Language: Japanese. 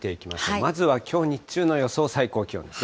まずはきょう日中の予想最高気温ですね。